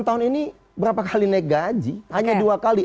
sepuluh tahun ini berapa kali naik gaji hanya dua kali